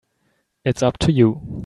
It's up to you.